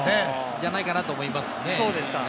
じゃないかと思います。